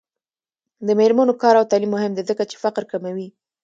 د میرمنو کار او تعلیم مهم دی ځکه چې فقر کموي.